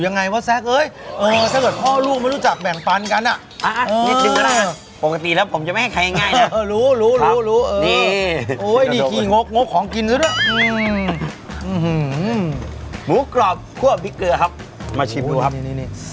อุ้ยอุ้ยอุ้ยอุ้ยอุ้ยอุ้ยอุ้ยอุ้ยอุ้ยอุ้ยอุ้ยอุ้ยอุ้ยอุ้ยอุ้ย